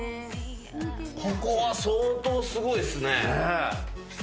ここは相当すごいですね。